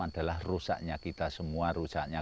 adalah rusaknya kita semua rusaknya